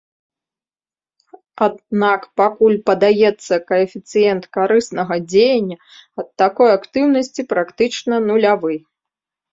Аднак пакуль, падаецца, каэфіцыент карыснага дзеяння ад такой актыўнасці практычна нулявы.